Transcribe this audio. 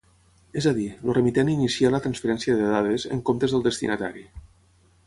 És a dir, el remitent inicia la transferència de dades, en comptes del destinatari.